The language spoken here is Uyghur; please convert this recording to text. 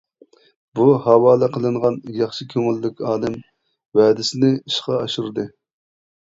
بۇ ھاۋالە قىلىنغان ياخشى كۆڭۈللۈك ئادەم ۋەدىسىنى ئىشقا ئاشۇردى.